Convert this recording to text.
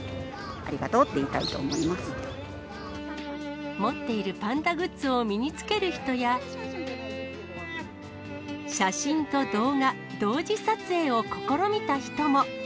ありがとうって言いたいと思いま持っているパンダグッズを身につける人や、写真と動画、同時撮影を試みた人も。